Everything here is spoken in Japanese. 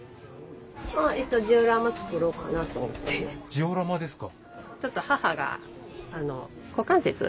ジオラマですか？